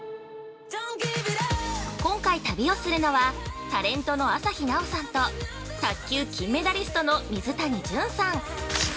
今回旅をするのは、タレントの朝日奈央さんと卓球・金メダリストの水谷隼さん。